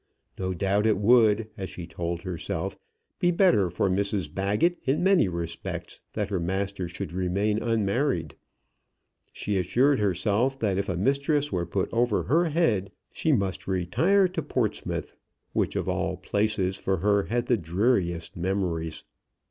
No doubt it would, as she told herself, be better for Mrs Baggett in many respects that her master should remain unmarried. She assured herself that if a mistress were put over her head, she must retire to Portsmouth, which, of all places for her, had the dreariest memories.